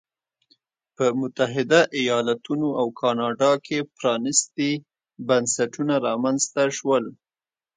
په متحده ایالتونو او کاناډا کې پرانیستي بنسټونه رامنځته شول.